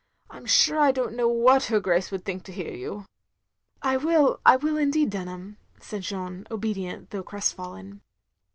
I 'm sure I don't know what her Grace would think to hear you. "" I will, I will indeed, Dtinham, " said Jeanne, obedient though crestfallen.